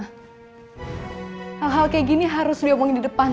hal hal kayak gini harus diomongin di depan